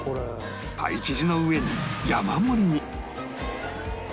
パイ生地の上に山盛りに